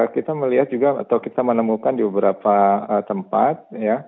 kita melihat juga atau kita menemukan di beberapa tempat